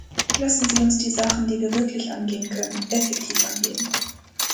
Lassen Sie uns die Sachen, die wir wirklich angehen können, effektiv angehen.